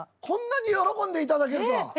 こんなに喜んでいただけるとは。